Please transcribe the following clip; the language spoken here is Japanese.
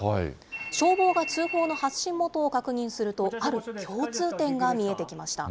消防が通報の発信元を確認すると、ある共通点が見えてきました。